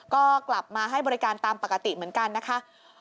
ก็กลับมาให้บริการตามปกติเหมือนกันนะคะ